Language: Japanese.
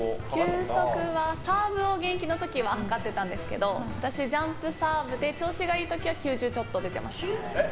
球速は、サーブを現役の時は測ってたんですけど私、ジャンプサーブで調子がいい時は９０ちょっと出ていました。